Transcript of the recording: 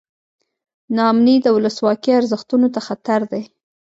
نا امني د ولسواکۍ ارزښتونو ته خطر دی.